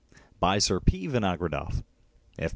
SIR P. VINOGRADOFF, F.